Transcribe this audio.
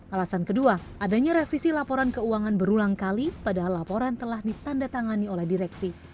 alasan kedua adanya revisi laporan keuangan berulang kali padahal laporan telah ditanda tangani oleh direksi